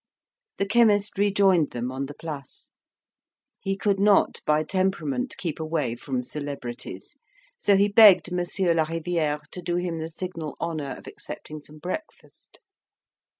The chemist rejoined them on the Place. He could not by temperament keep away from celebrities, so he begged Monsieur Lariviere to do him the signal honour of accepting some breakfast.